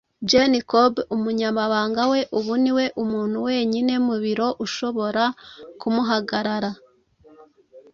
Jane Cobb umunyamabanga we ubu ni we muntu wenyine mu biro ushobora kumuhagarara